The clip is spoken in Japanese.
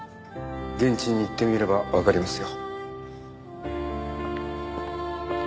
現地に行ってみればわかりますよ。